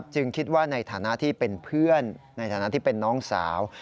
คิดว่าในฐานะที่เป็นเพื่อนในฐานะที่เป็นน้องสาว